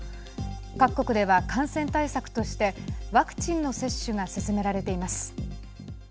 各国では、感染対策としてワクチンの接種が進められています。